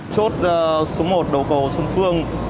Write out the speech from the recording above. chốt số một đầu cầu xuân phương